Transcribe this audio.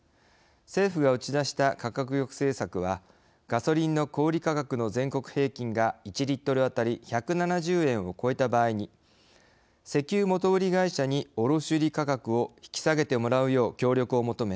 政府が打ち出した価格抑制策はガソリンの小売価格の全国平均が１リットル当たり１７０円を超えた場合に石油元売り会社に卸売価格を引き下げてもらうよう協力を求め